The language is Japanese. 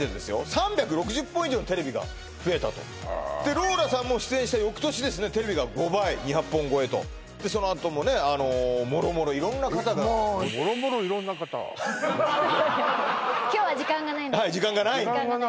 ３６０本以上のテレビが増えたとローラさんも出演した翌年ですねテレビが５倍２００本超えとそのあともね諸々色んな方が今日は時間がないので時間がないのね